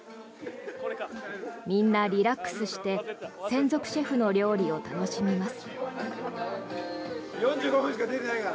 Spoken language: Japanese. みんなリラックスして専属シェフの料理を楽しみます。